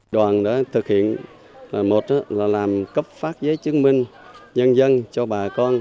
đoàn đã thực hiện một là làm cấp phát giấy chứng minh nhân dân cho bà con